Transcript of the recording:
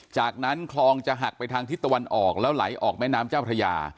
จากนั้นคลองจะหักไปทางทิศตะวันออกแล้วไหลออกแม่น้ำเจ้าพระยา